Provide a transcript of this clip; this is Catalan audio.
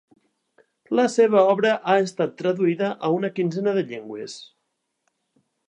La seva obra ha estat traduïda a una quinzena de llengües.